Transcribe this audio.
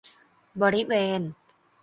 บริเวณ